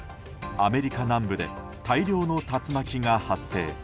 アメリカ南部で大量の竜巻が発生。